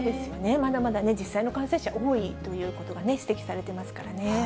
まだまだ実際の感染者、多いということが指摘されていますからね。